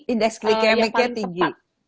indeks glikemiknya tinggi